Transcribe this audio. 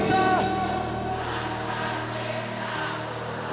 tidak ada yang bisa tersenyum